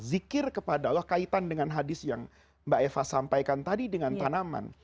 zikir kepada allah kaitan dengan hadis yang mbak eva sampaikan tadi dengan tanaman